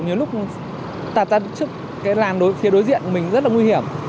nhiều lúc tạt ra trước cái làn phía đối diện của mình rất là nguy hiểm